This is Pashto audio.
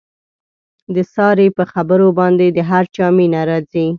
د سارې په خبرو باندې د هر چا مینه راځي.